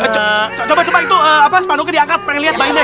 coba coba itu sepanuknya diangkat pengen liat bayinya